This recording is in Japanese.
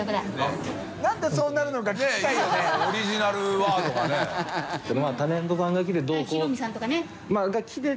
覆鵑そうなるのか聞きたいよねねぇ！